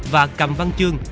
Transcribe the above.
và cầm văn chương